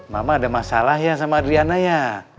mama ada masalah ya sama adriana ya